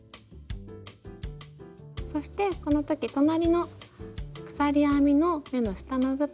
そしてこの時隣の鎖編みの目の下の部分ですね